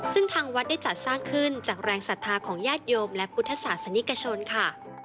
ซึ่งทางวัดได้จัดสร้างขึ้นจากแรงศรัทธาของญาติโยมและพุทธศาสนิกชนค่ะ